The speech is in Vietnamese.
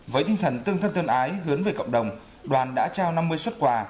với tinh thần tương thân tương ái hướng về cộng đồng đoàn đã trao năm mươi xuất quà